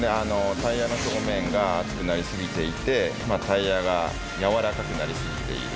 タイヤの表面が熱くなりすぎていてタイヤが柔らかくなりすぎている。